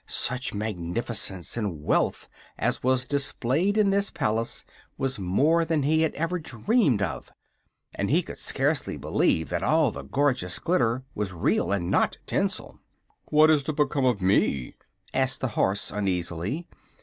Such magnificence and wealth as was displayed in this palace was more than he had ever dreamed of, and he could scarcely believe that all the gorgeous glitter was real and not tinsel. "What's to become of me?" asked the horse, uneasily.